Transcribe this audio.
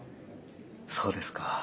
そうですか。